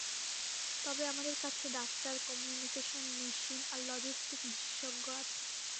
তবে আমাদের কাছে ডাক্তার, কমিউনিকেশন মেশিন আর লজিস্টিক বিশেষজ্ঞ আছে।